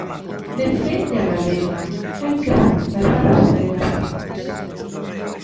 Defende a Galega: Hai que recuperar as delegacións.